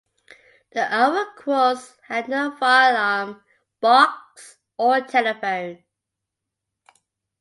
The Iroquois had no fire alarm box or telephone.